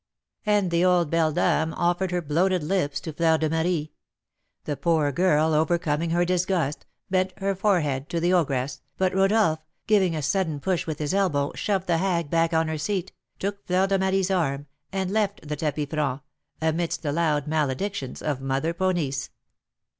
And the old beldam offered her bloated lips to Fleur de Marie. The poor girl, overcoming her disgust, bent her forehead to the ogress, but Rodolph, giving a sudden push with his elbow, shoved the hag back on her seat, took Fleur de Marie's arm, and left the tapis franc, amidst the loud maledictions of Mother Ponisse.